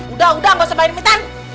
udah udah gak usah main hutan